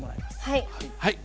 はい。